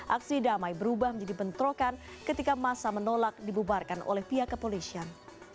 aksi damai berubah menjadi bentrokan ketika masa menolak dibubarkan oleh pihak kepolisian